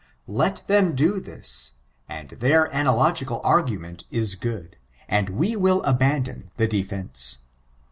Let them do this, and their analogical argument is good, and we win abandon the defence.